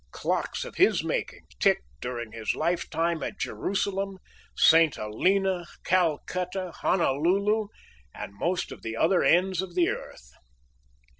Clocks of his making ticked during his lifetime at Jerusalem, Saint Helena, Calcutta, Honolulu, and most of the other ends of the earth.